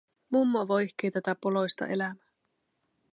Mummo voihkii tätä poloista elämää.